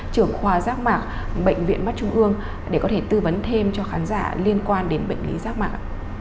trưởng khoa rác mạc bệnh viện mắt trung ương để có thể tư vấn thêm cho khán giả liên quan đến bệnh lý rác mạc